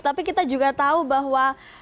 tapi kita juga tahu bahwa